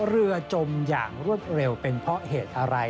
จมอย่างรวดเร็วเป็นเพราะเหตุอะไร